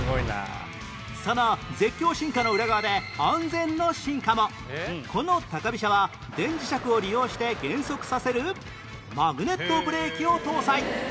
その絶叫進化の裏側でこの高飛車は電磁石を利用して減速させるマグネットブレーキを搭載